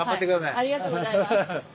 ありがとうございます。